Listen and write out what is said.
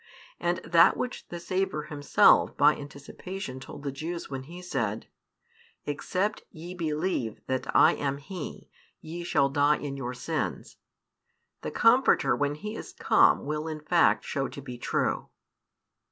And that which the Saviour Himself by anticipation told the Jews when He said, Except ye believe that I am He, ye shall die in your sins, the Comforter when He is come will in fact show to be true.